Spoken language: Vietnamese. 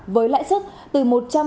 với lãi sức từ một trăm bốn mươi bốn